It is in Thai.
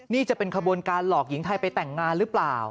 นี่จะเป็นขบวนการหลอกหญิงไทยไปแต่งงานหรือเปล่า